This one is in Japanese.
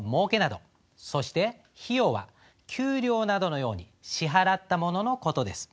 そして費用は給料などのように支払ったものの事です。